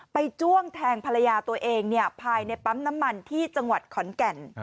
จ้วงแทงภรรยาตัวเองภายในปั๊มน้ำมันที่จังหวัดขอนแก่น